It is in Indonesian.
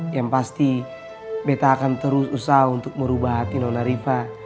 yang pasti beta akan terus usaha untuk merubah hati nonariva